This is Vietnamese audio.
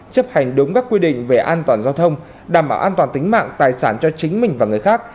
chấp hành đúng các quy định về an toàn giao thông đảm bảo an toàn tính mạng tài sản cho chính mình và người khác